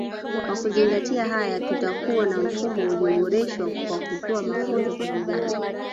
Kwa kuzingatia haya tutakuwa na mfumo ulioboreshwa wa kutoa mafunzo kwa vijana